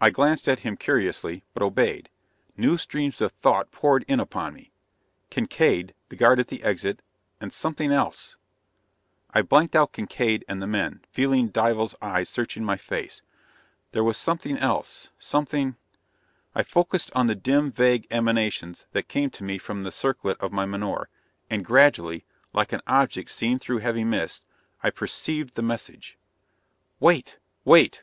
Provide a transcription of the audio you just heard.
I glanced at him curiously, but obeyed. New streams of thought poured in upon me. Kincaide ... the guard at the exit ... and something else. I blanked out Kincaide and the men, feeling Dival's eyes searching my face. There was something else, something I focused on the dim, vague emanations that came to me from the circlet of my menore, and gradually, like an object seen through heavy mist, I perceived the message: "Wait! Wait!